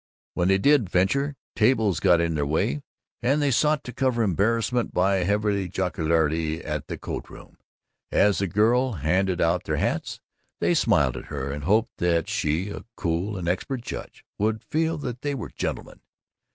When they did venture, tables got in their way, and they sought to cover embarrassment by heavy jocularity at the coatroom. As the girl handed out their hats, they smiled at her, and hoped that she, a cool and expert judge, would feel that they were gentlemen.